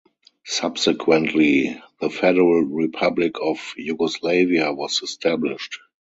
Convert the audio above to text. Subsequently, the Federal Republic of Yugoslavia was established.